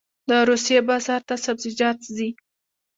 د روسیې بازار ته سبزیجات ځي